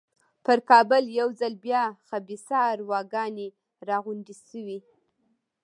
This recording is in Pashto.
پر کابل یو ځل بیا خبیثه ارواګانې را غونډې شوې.